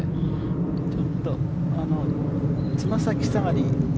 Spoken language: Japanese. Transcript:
ちょっと、つま先下がり。